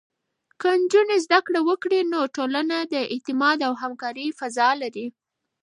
که نجونې زده کړه وکړي، نو ټولنه د اعتماد او همکارۍ فضا لري.